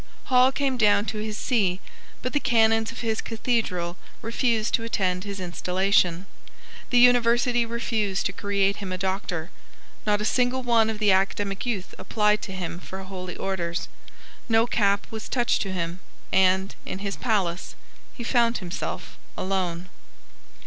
Hall came down to his see: but the Canons of his Cathedral refused to attend his installation: the University refused to create him a Doctor: not a single one of the academic youth applied to him for holy orders: no cap was touched to him and, in his palace, he found himself alone.